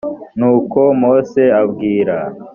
nuko mose abwira